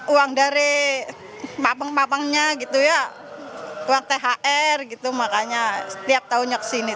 uang dari mapeng mapengnya gitu ya uang thr gitu makanya setiap tahunnya kesini